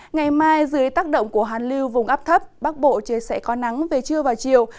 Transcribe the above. ngày mai dưới tác động của hàn lưu vùng áp thấp bắc bộ trời sẽ có nắng về trưa và chiều